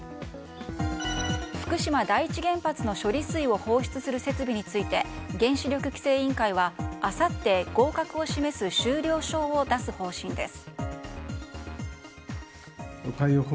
福島第一原発の処理水を放出する設備について原子力規制委員会はあさって合格を示す終了証を出す方針です。